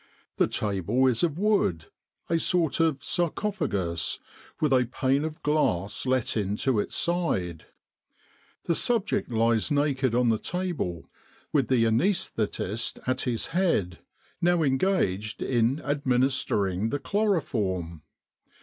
The table is of wood, a sort of sarcophagus, with a pane of glass let into its side. The subject lies naked on the table with the anaesthetist at his head, now engaged in administering the chloroform.